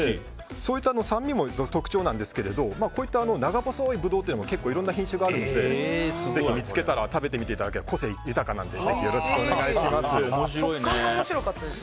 そういった酸味も特徴なんですがこういった長細いブドウというのも結構いろんな品種があるのでぜひ見つけたら食べてみていただけたら個性豊かなので食感が面白かったです。